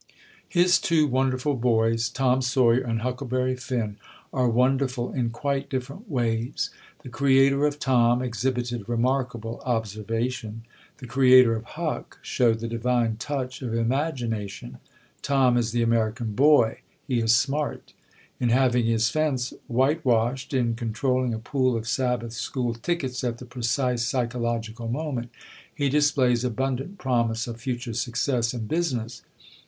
His two wonderful boys, Tom Sawyer and Huckleberry Finn, are wonderful in quite different ways. The creator of Tom exhibited remarkable observation; the creator of Huck showed the divine touch of imagination. Tom is the American boy he is "smart." In having his fence whitewashed, in controlling a pool of Sabbath school tickets at the precise psychological moment, he displays abundant promise of future success in business.